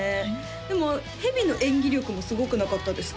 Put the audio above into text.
でも蛇の演技力もすごくなかったですか？